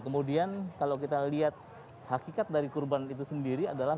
kemudian kalau kita lihat hakikat dari kurban itu sendiri adalah